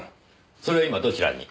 それは今どちらに？